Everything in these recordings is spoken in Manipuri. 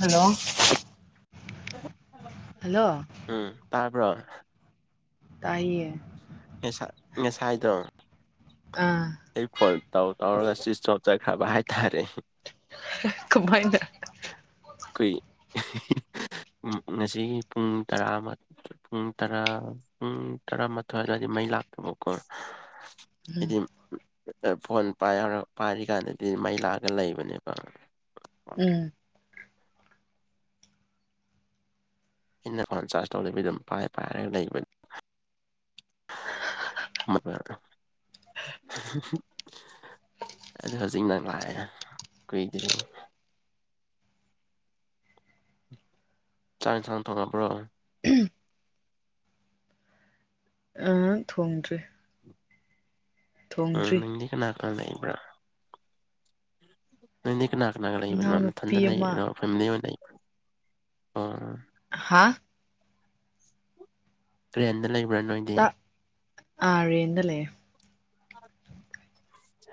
ꯍꯂꯣ ꯑꯣ ꯎꯝ ꯇ ꯭ꯔ ꯇꯌꯦ ꯉꯦꯁ ꯉꯦꯁꯥꯏꯗꯣ ꯑꯥ ꯑꯩ ꯐꯣꯟ ꯇꯔ ꯆꯁ ꯆ ꯍꯕ ꯍꯥꯏꯥꯏ ꯇꯔꯦ ꯀꯃꯥꯏꯅ ꯑꯩꯈꯣꯏ ꯉꯁꯤ ꯄꯨꯡ ꯇꯔꯥ ꯄꯨꯡ ꯇꯔꯥ ꯄꯨꯡ ꯇꯔꯥꯃꯥꯊꯣꯏ ꯑꯗꯨꯋꯥꯏꯗꯤ ꯃꯩ ꯂꯥꯛꯇꯕꯀꯣ ꯏ ꯎꯝ ꯐꯣꯟ ꯄꯥꯏꯔ ꯄꯥꯏꯔꯤꯀꯥꯟꯗꯗꯤ ꯃꯩ ꯂꯥꯛꯑꯒ ꯂꯩꯕꯅꯦꯕ ꯎꯝ ꯑꯩꯅ ꯐꯣꯟ ꯆꯥꯔꯖ ꯇꯧꯗꯕꯤ ꯑꯗꯨꯝ ꯄꯥꯏ ꯄꯥꯏꯔꯒ ꯂꯩꯕꯅꯤ ꯑꯗꯨ ꯍꯧꯖꯤꯛ ꯅꯪ ꯂꯥꯛꯑꯦ ꯀꯨꯏꯗ꯭ꯔꯤꯦ ꯆꯥꯡ ꯁꯥꯡꯅ ꯊꯣꯡꯉꯕ꯭ꯔꯣ ꯑ ꯊꯣꯡꯗ꯭꯭ꯔꯔꯤ ꯎ ꯀꯅꯅꯥꯀꯜꯕ꯭ꯔ ꯅꯣꯏꯅꯤꯅ ꯀꯅꯥꯒ ꯏꯅꯥꯎꯅꯨꯄꯤ ꯂꯩꯕꯅꯣꯅꯊꯟꯖ ꯑꯃ ꯂꯩꯔꯤꯔꯣ ꯐꯦꯃꯤꯂꯤ ꯑꯣꯏꯅ ꯂꯩ ꯑ ꯑ ꯐꯦ ꯂꯩ ꯭ꯔꯦꯟ ꯑꯣꯏꯗꯤ ꯑꯔꯦꯗ ꯂꯩꯦ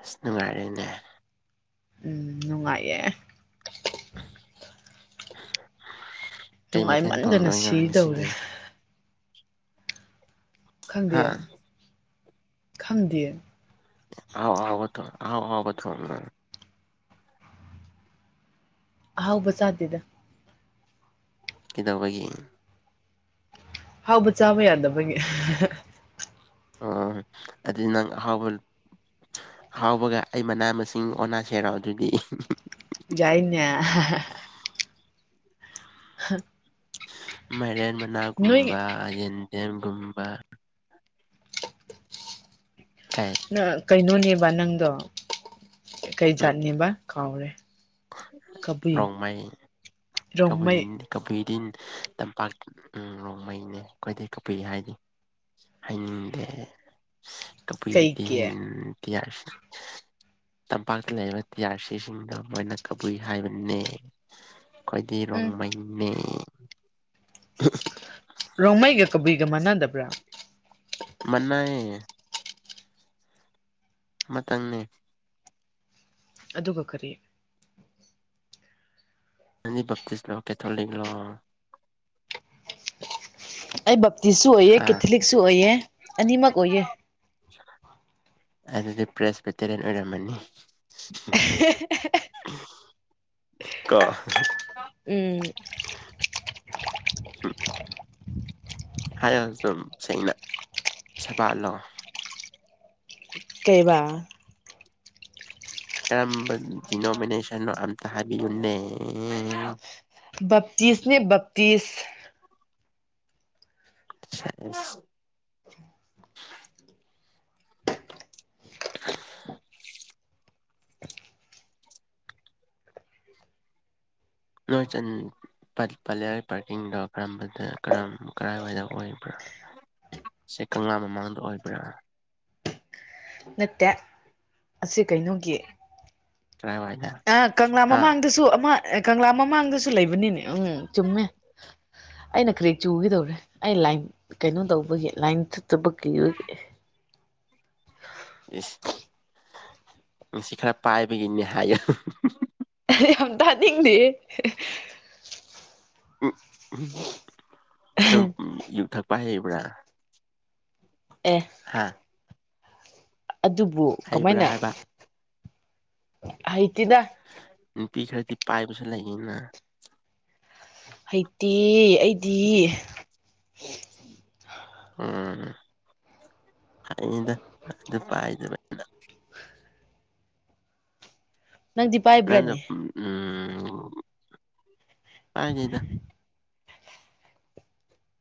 ꯑꯁ ꯅꯨꯡꯉꯥꯏꯔꯦꯅꯦ ꯎꯝ ꯅꯨꯡꯉꯥꯏꯌꯦꯦ ꯀꯩ ꯃꯊꯦꯜ ꯅꯨꯡꯉꯥꯏꯃꯟꯗꯅ ꯊꯣꯡꯗꯣꯏꯅꯣ ꯉꯁꯤꯗꯤ ꯁꯤꯗꯧꯔꯦ ꯍꯥ ꯈꯟꯗꯦꯝ ꯈꯝꯗꯌꯦ ꯑꯥꯎ ꯑꯕꯊ ꯑꯥꯎ ꯑꯥꯎꯕꯊ ꯋꯥꯦ ꯍꯥꯎꯕꯁꯗꯗ ꯀꯗꯧꯕꯒꯤ ꯍꯥꯎꯕ ꯆꯥꯕ ꯌꯥꯗꯕꯒꯤ ꯑꯣ ꯑꯗꯨꯗꯤ ꯅꯪ ꯑꯍꯥꯎꯕ ꯑꯍꯥꯎꯕꯒ ꯑꯩ ꯃꯅꯥ ꯃꯁꯤꯡ ꯑꯣꯅꯥ ꯁꯔꯣ ꯑꯗꯨꯗꯤ ꯌꯥꯏꯅꯦ ꯍꯥ ꯃ ꯅꯥꯒꯨꯝꯕ ꯌꯦ ꯌꯦꯟ ꯌꯦꯒꯨꯝꯕ ꯀꯩ ꯑ ꯀꯩꯅꯣꯅꯤ ꯅꯪꯗꯣ ꯀꯩ ꯖꯥꯠꯅꯦꯕ ꯀꯥꯎꯔꯦ ꯀꯕꯨꯏ ꯔꯣꯡꯃꯥꯏꯩ ꯀꯕꯨ ꯔꯣꯡꯃꯩ ꯀꯕꯨꯏꯒꯤꯗꯤꯟ ꯇꯝꯄꯥꯛ ꯅꯣꯡꯃꯩꯅꯦ ꯑꯩꯈꯣꯏꯗꯩ ꯀꯄꯤ ꯍꯥꯏꯗꯤ ꯍꯥꯏꯅꯤꯡꯗꯦ ꯇꯕꯨꯣꯏꯗꯤ ꯀꯩꯒꯤ ꯇꯤꯍ ꯇꯝꯄꯥꯛꯇ ꯂꯩꯔꯤꯕ ꯇꯤꯍꯥꯔ ꯁꯤꯁꯤꯡꯗ ꯃꯣꯏꯅ ꯀꯕꯨꯏ ꯍꯥꯏꯕꯅꯦ ꯈ꯭ꯋꯥꯣꯏꯗꯤ ꯎꯝ ꯔꯣꯡꯃꯩꯅꯤ [unintelligible] ꯃꯅꯥꯗꯕ꯭ꯔꯥ ꯃꯅꯥꯑ ꯑꯃꯇꯪꯅꯦ ꯑꯗꯨꯒ ꯀꯔꯤ ꯅꯟ ꯕꯇꯤꯤꯁ ꯂ ꯑꯣꯀꯦ ꯊꯂꯅꯤꯡꯣ ꯑꯩꯕ ꯇꯤꯁꯨ ꯑꯣꯏꯑꯦ ꯍꯥ ꯀꯦꯊꯂꯤꯛꯁꯨ ꯑꯣꯏꯑ ꯑꯅꯤꯃꯛ ꯑꯣꯏꯑꯦ ꯑꯗꯨꯗꯤ ꯄ꯭ꯔꯦꯁ ꯦꯇꯔꯤꯟ ꯑꯣꯏꯔꯝꯃꯅꯤ [unintelligible] ꯀꯥ ꯎꯝ ꯎꯝ ꯍꯥꯏꯔ ꯑꯗꯨꯝ ꯁꯦꯡꯩꯅ ꯁꯦꯕꯥꯠꯂꯣꯑꯣ ꯀꯩꯕꯥ ꯀꯔꯝꯕ ꯗꯤꯅꯣꯃꯤꯅꯦꯁꯟꯅꯣ ꯑꯝꯇ ꯍꯥꯏꯕꯤꯌꯨꯅꯦ ꯇꯤꯁꯅꯦ ꯇꯤꯁ [unintelligible] [unintelligible] ꯅꯣꯏ ꯄꯂ ꯄꯥꯔꯀꯤꯡꯗꯣ ꯀꯔꯝꯕꯗ ꯀꯔꯝ ꯀꯔꯥꯏꯋꯥꯏꯗ ꯑꯣꯏꯕ꯭ꯔꯥ ꯁꯦ ꯀꯪꯂꯥ ꯃꯃꯥꯡꯗ ꯑꯣꯏꯕ꯭ꯔꯥ ꯅꯠꯇꯦ ꯑꯁꯤ ꯀꯩꯅꯣꯒꯤ ꯀꯔꯥꯏꯋꯥꯏꯗ ꯑ ꯀꯪꯂꯥ ꯍꯥ ꯃꯃꯥꯡꯗꯁꯨ ꯑꯃ ꯑꯦ ꯀꯪꯂꯥ ꯃꯃꯥꯡꯗꯁꯨ ꯂꯩ ꯅꯤꯅꯦ ꯎꯝ ꯆꯨꯝꯃꯦ ꯑꯩꯅ ꯀꯔꯤꯦꯛ ꯆꯨꯈꯤꯗꯧꯔꯦ ꯑꯩ ꯂꯥꯏꯟ ꯀꯩꯅꯣ ꯇꯧꯕꯒꯤ ꯂꯥꯏꯟ ꯊꯠꯇꯕ ꯀꯤꯕꯒꯤ ꯁ ꯉ ꯁꯤ ꯈꯔ ꯄꯥꯏꯕꯒꯤꯅꯦ ꯍꯥꯏꯌꯦ ꯍꯩ ꯌꯥꯝ ꯇꯥꯅꯤꯡꯗꯤꯌꯦ ꯍ [inaudible] ꯎꯝ ꯎꯝꯋꯨꯝ ꯅꯪ ꯎꯝ ꯌꯨ ꯊꯛ ꯄꯥꯏ ꯍꯩꯕꯔꯥ ꯑꯦ ꯑꯗꯨꯕꯨ ꯍꯩꯕ꯭ꯔꯥ ꯀꯃꯥꯏꯅ ꯍꯥꯏꯕ ꯍꯩ ꯇꯤꯗ ꯅꯨꯄꯤ ꯈꯔꯗꯤ ꯄꯥꯏꯕꯁꯨ ꯂꯩꯌꯦꯅ ꯍꯩꯇꯦꯌꯦ ꯑꯩꯗꯤ ꯍ [inaudible] ꯎꯝ ꯍꯩꯅꯤꯗ ꯑꯗꯨꯝ ꯄꯥꯏꯗꯕꯩꯅꯤꯗ ꯅꯪꯗꯤ ꯅꯪꯅ ꯄꯥꯏꯕ꯭ꯔꯅꯦ ꯎꯝ ꯎꯝ ꯍꯩꯅꯤꯗ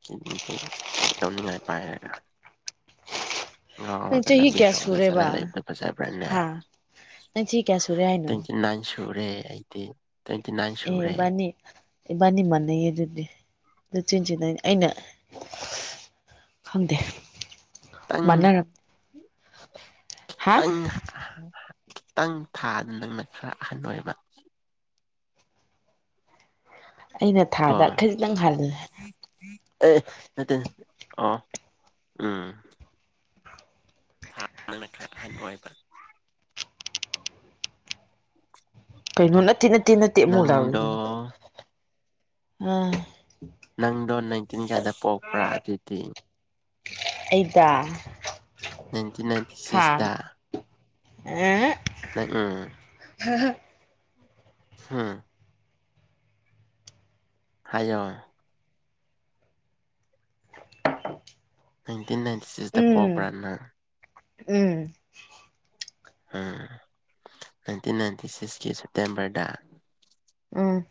ꯇꯤꯟ ꯀꯩꯅꯣ ꯇꯧꯅꯤꯡꯉꯥꯏ ꯄꯥꯏꯔꯒ ꯅꯪ ꯉꯥꯎꯔꯒ ꯆꯍꯤ ꯂꯝꯕꯤ ꯀꯌꯥ ꯁꯣꯔꯣꯛꯇ ꯁꯨꯔꯦꯕ ꯆꯠꯂ ꯂꯩꯕꯗꯨ ꯐꯖꯕꯔꯅꯦ ꯍꯥ ꯅꯪ ꯆꯍꯤ ꯀꯌꯥ ꯁꯨꯔꯦ ꯍꯥꯏꯅꯣ ꯇꯣꯏꯟꯇꯤꯅꯥꯏꯟ ꯁꯨ ꯁꯨꯔꯦ ꯑꯩꯗꯤ ꯇ꯭ꯋꯦꯟꯇꯤ ꯅꯥꯏꯟ ꯑꯦ ꯁꯨꯔꯦ ꯏꯕꯅꯤ ꯏꯕꯅꯤ ꯃꯅꯩꯌꯦ ꯑꯗꯨꯗꯤ ꯑꯗꯨ ꯆꯤꯟꯆꯤꯅꯥꯏꯟ ꯑꯩꯅ ꯈꯪꯗꯦ ꯇꯪ ꯃꯅꯔꯝ ꯇꯪ ꯑꯍꯥ ꯍꯥ ꯇꯪ ꯊꯥꯗꯅ ꯅꯪꯅ ꯈꯔ ꯑꯍꯜ ꯑꯣꯏꯕ ꯑꯩꯅ ꯀꯣ ꯊꯥꯗ ꯈꯖꯤꯛꯇꯪ ꯍꯜꯂꯦ ꯑꯦ ꯅꯠꯇꯦ ꯑꯣ ꯎꯝ ꯊꯥ ꯗ ꯅꯪꯅ ꯈꯔ ꯑꯍꯟ ꯑꯣꯏꯕ ꯀꯩꯅꯣ ꯅꯠ ꯅꯠꯇꯦ ꯅꯠꯇꯦ ꯃꯣꯖꯥ ꯅꯪꯗꯣ ꯑꯣꯏꯗꯣꯏꯅꯤ ꯑꯥ ꯅꯪꯗꯣ ꯅꯥꯏꯟꯇꯤꯟ ꯀꯥꯌꯥꯗ ꯄꯣꯛꯄ꯭ꯔꯥ ꯑꯗꯨꯗꯤ ꯑꯩꯗꯥ ꯅꯥꯏꯟꯇꯤꯟ ꯅꯥꯏꯟꯇꯤ ꯁꯤꯛꯁꯇ ꯑꯥ ꯎꯝ ꯍꯨꯡ ꯍꯥꯏꯖꯤꯔ ꯍꯥꯌꯅꯤ ꯑꯩꯠꯇꯇꯤꯟ ꯅꯥꯏꯟꯇꯤ ꯁꯤꯛꯁꯇ ꯎꯝ ꯄꯣꯛꯄ꯭ꯔꯥꯅꯪ ꯎꯝ ꯅꯥꯏꯟꯇꯤꯟ ꯅꯥꯏꯟꯇꯤ ꯁꯤꯛꯁꯀꯤ ꯁꯦꯞꯇꯦꯝꯕꯔꯗ ꯎꯝ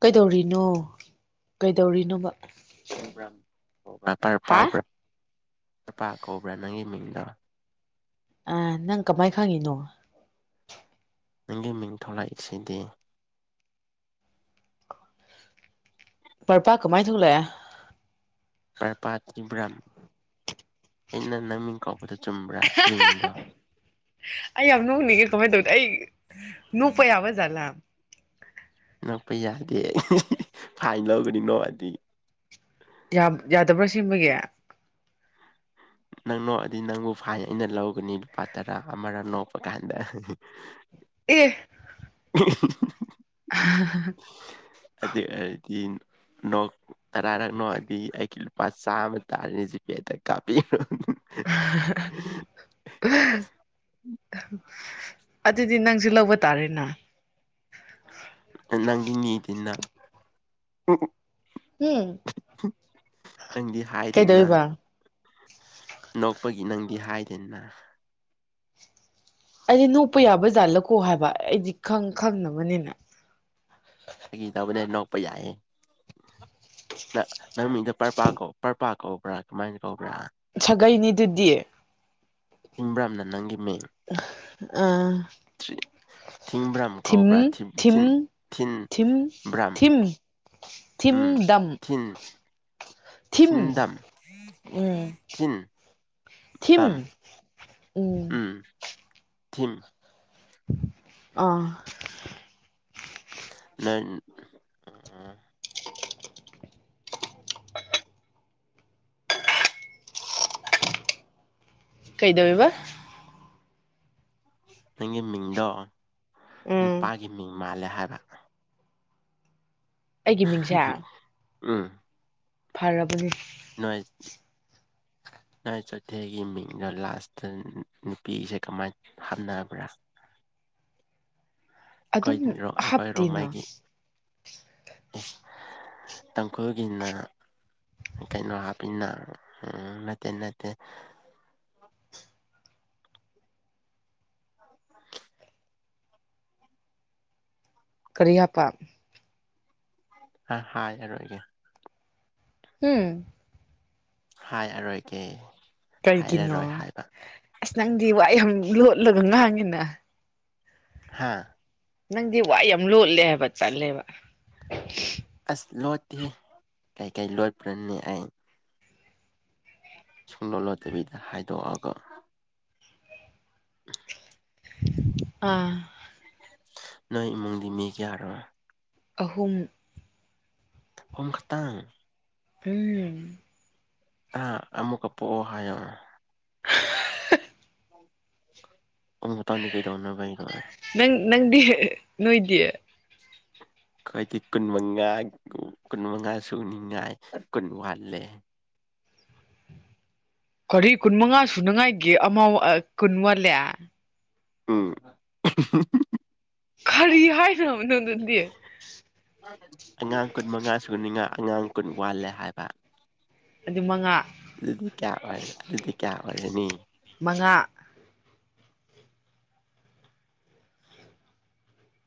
ꯀꯩꯗꯧꯔꯤꯅꯣ ꯀꯩꯗꯧꯔꯤꯅꯣꯕ ꯭ꯔꯦꯄꯔ ꯍꯥ ꯄꯥꯎꯕ꯭ꯔꯥ ꯆꯄꯥ ꯀꯧꯕ꯭ꯔꯥ ꯅꯪꯒꯤ ꯃꯤꯡꯗꯣ ꯑ ꯅꯪ ꯀꯃꯥꯏ ꯈꯥꯡꯉꯤꯅꯣ ꯅꯪꯒꯤ ꯃꯤꯡ ꯊꯂꯛꯏꯁꯤꯗꯤ ꯄꯔ ꯄ ꯀꯃꯥꯏ ꯊꯣꯛꯂꯦ ꯄ꯭ꯔꯄꯥ ꯏꯤꯕ꯭ꯔꯝ ꯑꯩꯅ ꯅꯪꯃꯤꯡ ꯀꯧꯕꯗ ꯆꯨꯝꯕ꯭ꯔꯥ ꯇ꯭ꯋꯤꯟꯗꯣ ꯑꯩ ꯌꯥꯝ ꯅꯣꯛꯅꯤꯡꯉꯦ ꯀꯃꯥꯏꯅ ꯇꯧꯅꯤ ꯑꯩ ꯅꯣꯛꯄ ꯌꯥꯕ ꯖꯠꯂꯥ ꯅꯛꯄ ꯌꯥꯗꯦ ꯐꯥꯏꯟ ꯂꯧꯒꯅꯤꯅꯣ ꯑꯗꯨꯗꯤ ꯌꯥꯗꯕ꯭ꯔꯥ ꯁꯦꯝꯕꯒꯤꯦ ꯅꯪ ꯅꯣꯛꯑꯗꯤ ꯅꯪꯕꯨ ꯐꯥꯏ ꯑꯩꯅ ꯂꯧꯒꯅꯤ ꯂꯨꯄꯥ ꯇꯔꯥ ꯑꯃꯔꯥ ꯅꯣꯛꯄ ꯀꯥꯟꯗ ꯑꯦ ꯎ [unintelligible] ꯑ ꯍꯥꯏꯗꯤ ꯅꯣꯛ ꯇꯔꯥꯔꯛꯅꯣꯗꯤ ꯑꯩꯂꯨ ꯄ ꯆꯥ ꯑꯃ ꯇꯥꯔꯅꯤꯁꯤꯄꯦꯗ ꯀꯥꯄꯤꯤ ꯑꯗꯨ ꯅꯪꯁꯨ ꯂꯧꯕ ꯇꯥꯔꯦꯅ ꯑꯗꯤꯡ ꯌꯦꯇꯟꯅ ꯎ ꯎ ꯎꯝ ꯅꯪꯗꯤ ꯍꯥꯏꯗꯦꯅ ꯀꯩꯗꯧꯔꯤꯕ ꯅꯣꯛꯄꯒꯤ ꯅꯪꯗꯤ ꯍꯥꯏꯗꯦꯅ ꯑꯩꯗꯤ ꯅꯣꯛꯄ ꯌꯥꯕꯖꯥꯠꯂꯀꯣ ꯍꯥꯏꯕ ꯑꯩꯗꯤ ꯈꯪ ꯈꯪꯅꯕꯅꯤꯅ ꯄꯩ ꯌꯥꯏ ꯑ ꯅꯪ ꯃꯤꯗ ꯄꯔꯄꯥ ꯀꯧꯕ ꯄꯔꯄꯥ ꯀꯧꯕ꯭ꯔꯥ ꯀꯃꯥꯏꯅ ꯀꯧꯕ꯭ꯔꯥ ꯀꯩꯅꯤꯗꯨꯗꯤꯌꯦ ꯏꯕ꯭ꯔꯝꯅ ꯅꯪꯒꯤ ꯃꯤꯡ ꯑꯥ ꯎꯝ ꯊꯤꯡꯕ꯭ꯔꯥꯝ ꯀꯧꯕ꯭ꯔꯥꯤꯟ ꯊꯤꯟ ꯊꯤꯝ ꯕ꯭ꯔꯝ ꯊꯤꯝ ꯎꯝ ꯗꯝ ꯊꯤꯟ ꯊꯤꯝ ꯊꯤꯟꯗꯝ ꯎꯝ ꯊꯤꯟ ꯊꯤꯝ ꯕꯝ ꯎꯝ ꯊꯨꯝ ꯑꯥ ꯅꯪ ꯀꯩꯗꯕꯕ ꯅꯪꯒꯤ ꯃꯤꯗꯣ ꯎꯝ ꯅꯨꯄꯥꯒꯤꯅꯤ ꯃꯤꯡ ꯃꯥꯜꯂꯦ ꯍꯥꯏꯕ ꯑꯩꯒꯤ ꯃꯤꯡꯁꯦ [unintelligible] [unintelligible] ꯎꯝ ꯐꯔꯕꯅꯦ ꯅꯣꯏꯥꯏ ꯂꯥꯏ ꯆꯩꯊꯦꯒꯤ ꯃꯤꯡꯗꯣ ꯂꯥꯁꯇ ꯅꯨꯄꯤꯁꯦ ꯀꯃꯥꯏ ꯍꯥꯞꯅꯕ꯭ꯔꯥ ꯑꯩꯈꯣꯏ ꯑꯗꯨꯝ ꯑꯩꯈꯣꯏ ꯍꯥꯞꯇꯦꯅ ꯔꯣꯡꯃꯩꯒꯤ ꯏꯁ ꯇꯥꯡꯈꯨꯜꯒꯤꯅ ꯀꯩꯅꯣ ꯍꯥꯞꯄꯤꯟꯅ ꯇꯅꯇ ꯀꯔꯤꯌꯥꯄꯥ ꯍ ꯌꯥꯔꯣꯏꯒꯦ ꯎꯝ ꯍꯥꯏ ꯑꯔꯣꯏꯒꯦ ꯀꯩ ꯀꯅꯣ ꯑꯁ ꯅꯪꯗꯤ ꯋꯥ ꯌꯥꯝ ꯂꯣꯠꯂꯒ ꯉꯥꯡꯉꯤꯅ ꯍꯥꯥ ꯅꯪꯗꯤ ꯋꯥ ꯌꯥꯝ ꯂꯣꯜꯂꯦ ꯍꯥꯏꯕ ꯆꯠꯂꯦꯕ ꯑꯁ ꯂꯣꯠꯇꯦ ꯀꯩꯀꯩ ꯂꯣꯠꯄ꯭ꯔꯅꯦ ꯑꯩ ꯁꯨꯝ ꯂꯣꯂꯠꯇꯕꯤꯗ ꯍꯥꯏꯗꯣꯛꯑꯒ [unintelligible] ꯑꯥ ꯅꯣꯏ ꯏꯃꯨꯡꯗꯤ ꯃꯤ ꯀꯌꯥꯔꯣ ꯑꯍꯨꯝ ꯑꯣꯣꯡꯈ ꯇ ꯍꯝ ꯑ ꯑꯃꯃꯨꯀ ꯄ ꯍꯥꯏ ꯑꯣ ꯇꯅꯤ ꯀꯩꯗꯔ ꯅꯣꯏꯗꯌꯦ ꯑꯩꯈꯣꯏꯗꯤ ꯀꯨꯟ ꯃꯉꯥ ꯀꯨꯟ ꯃꯉꯥ ꯁꯨꯅꯤꯡꯉꯥꯏ ꯀꯨꯟ ꯋꯥꯠꯂꯦ ꯀꯔꯤ ꯀꯨꯟ ꯃꯉꯥ ꯁꯨꯅꯉꯥꯏꯒꯤꯦ ꯑꯃ ꯀꯨꯟ ꯋꯥꯜꯂꯦ ꯑꯥ ꯀꯔꯤ ꯍꯥꯏꯅꯕꯅꯣ ꯑꯗꯨꯗꯤ ꯑꯉꯥꯡ ꯀꯨꯟ ꯃꯉꯥ ꯁꯨꯅꯤꯉꯥ ꯑꯉꯥꯡ ꯀꯨꯟ ꯋꯥꯜꯂꯦ ꯍꯥꯏꯕ ꯑꯗꯨ ꯃꯉꯥ ꯑꯗꯨꯗꯤ ꯀꯌꯥ ꯑꯣꯏꯔ ꯑꯗꯨꯗꯤ ꯀꯌꯥ ꯑꯣꯏꯔꯅꯤ ꯃꯉꯥ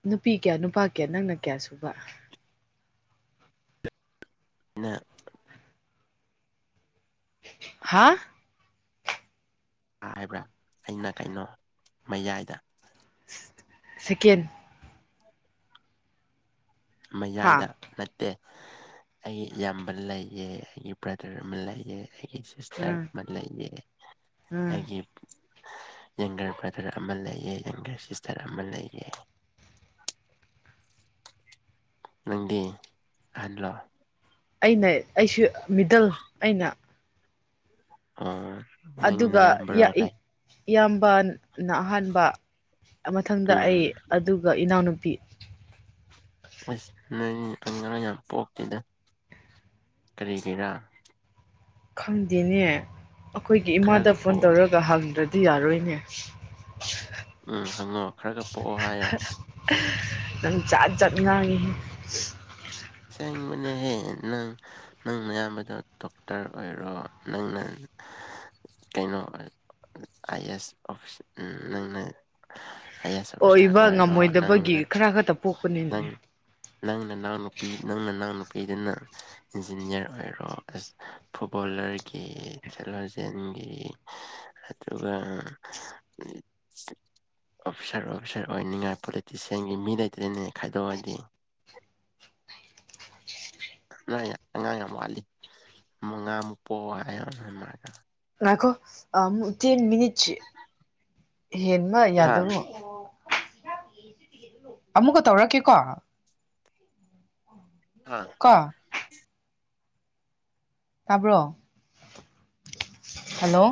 ꯅꯨꯄꯤ ꯀꯌꯥ ꯅꯨꯄꯥ ꯀꯌꯥ ꯅꯪꯅ ꯀꯌꯥ ꯁꯨꯕ ꯑ ꯍꯥ ꯍꯥꯏꯕ꯭ꯔꯥ ꯑꯩꯅ ꯀꯩꯅꯣ ꯃꯌꯥꯏꯗ ꯁꯀꯦꯟ ꯍꯥ ꯃꯌꯥꯏꯗ ꯅꯠꯇꯦ ꯑꯩ ꯏꯌꯥꯝꯕ ꯂꯩꯑꯦ ꯑꯩꯒꯤ ꯕ꯭ꯔꯗꯔ ꯑꯃ ꯂꯩꯌꯦꯦ ꯑꯩꯒꯤ ꯁꯤꯁꯇꯔ ꯎꯝ ꯑꯃ ꯂꯩꯌꯦ ꯎꯝ ꯑꯩꯒꯤ ꯌꯪꯒꯔ ꯕ꯭ꯔꯗꯔ ꯑꯃ ꯂꯩꯑ ꯌꯦꯪꯒꯔ ꯁꯤꯁꯇꯔ ꯑꯃ ꯂꯩꯑ ꯅꯪꯗꯤ ꯑꯍꯜꯂꯣꯑꯣ ꯑꯩꯅ ꯑꯩꯁꯨ ꯃꯤꯗꯜ ꯑꯩꯅ ꯑꯣ ꯏ ꯌꯥꯕꯣ ꯂꯩꯦ ꯏꯌꯥꯝꯕꯥꯟ ꯅ ꯑꯍꯥꯟꯕ ꯃꯊꯪꯗ ꯑꯩ ꯎꯝ ꯑꯗꯨꯒ ꯏꯅꯥꯎꯅꯨꯄꯤ ꯅꯨꯄꯤ ꯑꯁ ꯅꯣꯏꯇ ꯉꯔꯥꯡ ꯌꯥꯝ ꯄꯣꯛꯇꯦꯗ ꯀꯔꯤꯒꯤꯔꯥ ꯈꯪꯗꯦꯅꯦ ꯑꯩꯈꯣꯏꯒꯤ ꯏꯃꯥꯗ ꯈꯔꯒ ꯐꯣꯟ ꯄꯣꯛ ꯇꯧꯔꯒ ꯍꯪꯗ꯭ꯔꯗꯤ ꯇꯤ ꯌꯥꯔꯣꯏꯅꯦ ꯎꯝ ꯍꯪꯉꯣ ꯈꯔꯒ ꯄꯣꯛꯑꯣ ꯍꯥꯏꯌꯣ [inaudible] ꯆꯥꯖꯅꯤꯡꯉ ꯁꯅꯤꯡꯕꯅꯦꯍꯦ ꯅꯪ ꯅꯪ ꯑꯌꯥꯝꯕꯗꯣ ꯗꯣꯛꯇꯔ ꯑꯣꯏꯔꯣ ꯅꯪꯅ ꯀꯩꯅꯣ ꯑꯥꯏ ꯑꯦꯁ ꯑꯣꯐꯤꯁ ꯅꯪꯅ ꯑꯥꯏ ꯑꯦꯁ ꯑꯣꯐꯤꯁꯥꯔ ꯑꯣꯏꯕ ꯑꯣꯏꯔꯣ ꯉꯝꯃꯣꯏꯗꯕꯒꯤ ꯅꯪꯅ ꯈꯔ ꯈꯛꯇ ꯄꯣꯛꯄꯅꯤꯅꯦ ꯅꯪ ꯅꯪ ꯅꯅꯥꯎ ꯅꯨꯄꯤ ꯅꯪ ꯅꯅꯥꯎ ꯅꯨꯄꯤꯗꯨꯅ ꯏꯟꯖꯤꯅꯤꯌꯥꯔ ꯑꯣꯏꯔꯣ ꯐꯨꯠꯕꯣꯂꯔꯒꯤ ꯁꯦꯂꯖꯤꯦꯟꯒꯤ ꯑꯗꯨꯒ ꯑꯣꯐꯤꯁꯥꯔ ꯑꯣꯐꯤꯁꯥꯔ ꯑꯣꯏꯅꯤꯡꯉꯥꯏ ꯄꯣꯂꯤꯇꯤꯁꯤꯌꯥꯟꯒꯤ ꯃꯤ ꯂꯩꯇꯗꯅꯦ ꯈꯥꯏꯗꯣꯛꯑꯗꯤ ꯑ ꯑꯉꯥꯡ ꯌꯥꯝ ꯋꯥꯠꯂꯤ ꯃꯉꯥꯃꯨꯛ ꯄꯣꯛ ꯍꯥꯏ ꯂꯈꯣ ꯇꯦꯟ ꯃꯤꯅꯤꯠꯁ ꯍꯦꯟꯃ ꯍꯥ ꯌꯥꯗꯕꯣ ꯑꯃꯨꯛꯀ ꯇꯧꯔꯛꯀꯦꯀꯣ ꯑ ꯀ ꯇꯥꯕ꯭ꯔꯣ ꯍꯜꯂꯣ